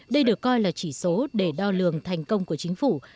đây được coi là chỉ số để đo lường thành công của chính phủ